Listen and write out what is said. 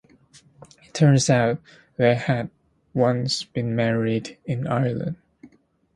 It turns out they had once been married in Ireland.